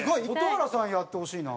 蛍原さんやってほしいな。